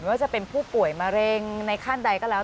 ว่าจะเป็นผู้ป่วยมะเร็งในขั้นใดก็แล้ว